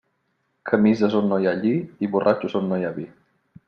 Camises on no hi ha lli i borratxos on no hi ha vi.